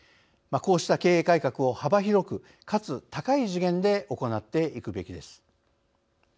こうした経営改革を幅広くかつ、高い次元で行っていくべきです。